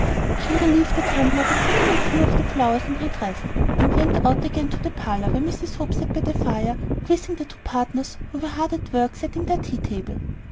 She relieved the tumbler by putting a few of the flowers in her dress, and went out again to the parlor, where Mrs. Hope sat by the fire, quizzing the two partners, who were hard at work setting their tea table.